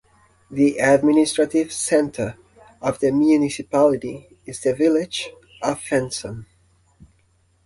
The administrative centre of the municipality is the village of Fetsund.